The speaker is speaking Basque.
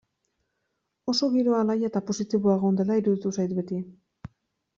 Oso giro alaia eta positiboa egon dela iruditu zait beti.